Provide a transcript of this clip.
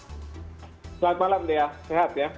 selamat malam dea sehat ya